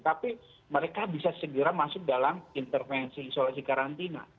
tapi mereka bisa segera masuk dalam intervensi isolasi karantina